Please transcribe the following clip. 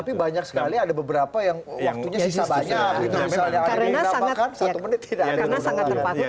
tapi banyak sekali ada beberapa yang waktunya sisa banyak